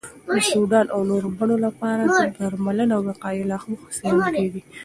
د سودان او نورو بڼو لپاره درملنه او وقایه لا هم څېړل کېږي.